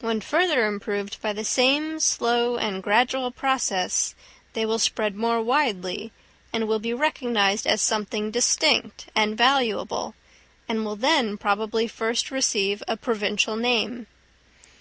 When further improved by the same slow and gradual process, they will spread more widely, and will be recognised as something distinct and valuable, and will then probably first receive a provincial name.